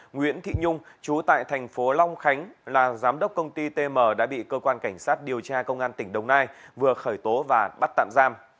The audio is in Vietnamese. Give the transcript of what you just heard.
nguyễn thị nhung chú tại thành phố long khánh là giám đốc công ty tm đã bị cơ quan cảnh sát điều tra công an tỉnh đồng nai vừa khởi tố và bắt tạm giam